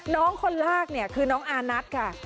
น้องคนลากเนี่ยคือน้องอานัทค่ะ